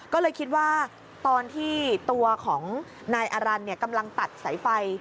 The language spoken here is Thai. ก็เลยคิดว่าตอนที่ตัวของนายอารันกำลังตัดสายไฟ